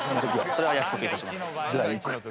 それは約束いたします。